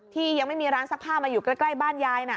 ยังไม่มีร้านซักผ้ามาอยู่ใกล้บ้านยายน่ะ